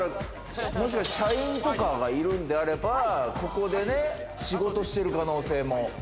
社員とかがいるんであれば、ここでね、仕事してる可能性も。